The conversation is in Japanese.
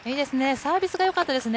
サービスがよかったですね。